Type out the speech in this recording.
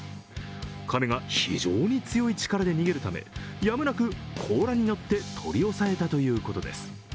亀が非常に強い力で逃げるため、やむなく甲羅に乗って取り押さえたということです。